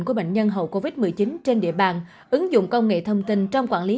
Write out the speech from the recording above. của bệnh nhân hậu covid một mươi chín trên địa bàn ứng dụng công nghệ thông tin trong quản lý